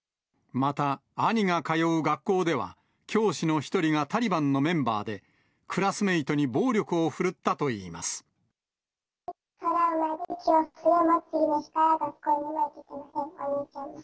また、兄が通う学校では、教師の１人がタリバンのメンバーで、クラスメートに暴力を振るったといいます。